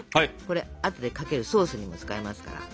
これあとでかけるソースにも使えますから。